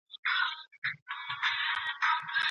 د رواني ناروغیو مخنیوی خورا مهم دی.